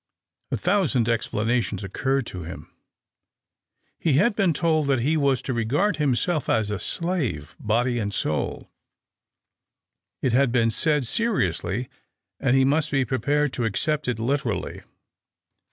A thousand explanations occurred to him. He had been told that he was to regard himself as a slave, body and soul ; it had been said seriously, and he must be prepared to accept it literally.